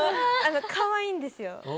かわいいんですよ。